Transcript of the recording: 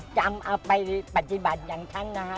เอาไปปฏิบัติอย่างฉันนะฮะ